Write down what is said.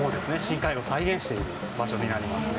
深海を再現している場所になりますね。